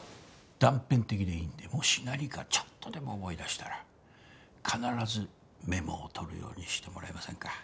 断片的でいいんでもし何かちょっとでも思い出したら必ずメモを取るようにしてもらえませんか？